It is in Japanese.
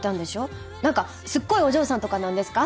なんかすっごいお嬢さんとかなんですか？